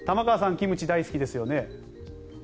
キムチ大好きですよね。